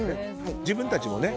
自分たちもね。